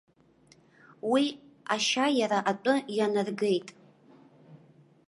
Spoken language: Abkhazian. Уи ашьа иара атәы ианаргеит.